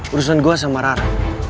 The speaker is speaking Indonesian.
urusan gue sama rara